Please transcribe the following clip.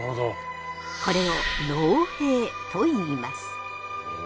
これを農兵といいます。